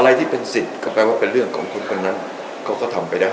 อะไรที่เป็นสิทธิ์ก็แปลว่าเป็นเรื่องของคนคนนั้นเขาก็ทำไปได้